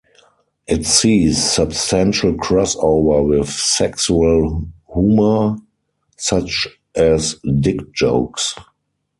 It sees substantial crossover with sexual humour, such as dick jokes.